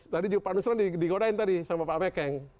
tadi juga pak nusran dikodain tadi sama pak mekeng